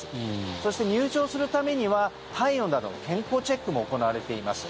そして、入場するためには体温などの健康チェックも行われています。